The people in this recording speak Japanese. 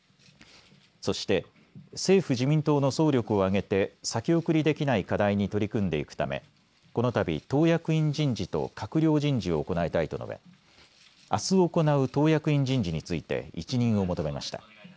そして政府自民党の総力を挙げて先送りできない課題に取り組んでいくためこのたび党役員人事と閣僚人事を行いたいと述べ、あす行う党役員人事について一任を求めました。